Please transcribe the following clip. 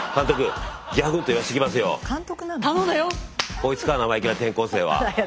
こいつか生意気な転校生は。